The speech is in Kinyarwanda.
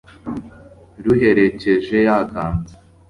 ruherekeje ya kanzu